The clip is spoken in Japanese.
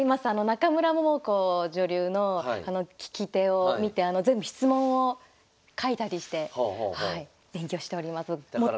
中村桃子女流の聞き手を見て全部質問を書いたりしてはい勉強しております。